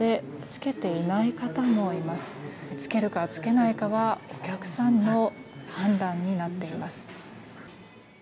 着けるか着けないかはお客さんの判断になっています。